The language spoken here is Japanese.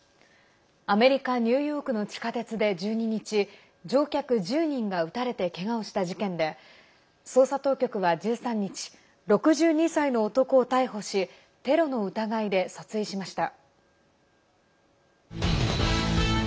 アメリカ・ニューヨークの地下鉄で１２日乗客１０人が撃たれてけがをした事件で捜査当局は１３日６２歳の男を逮捕しテロの疑いで訴追しました。